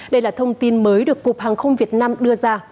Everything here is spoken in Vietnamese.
đây là thông tin mới được cục hàng không việt nam đưa ra